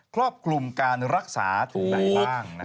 ครอบคลุมการรักษาถูกไหนบ้าง